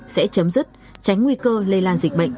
sẽ chấm dứt tránh nguy cơ lây lan dịch bệnh